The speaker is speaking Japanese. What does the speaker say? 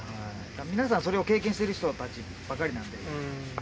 皆さん、それを経験している人たちばかりなんで。